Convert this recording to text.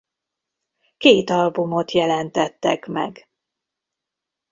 Két albumot jelentettek meg.